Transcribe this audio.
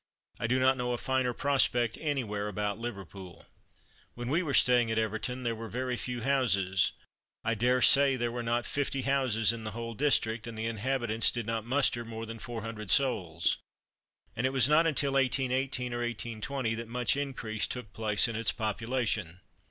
I do not know a finer prospect anywhere about Liverpool. When we were staying at Everton there were very few houses. I dare say there were not fifty houses in the whole district, and the inhabitants did not muster more than 400 souls; and it was not until 1818 or 1820 that much increase took place in its population.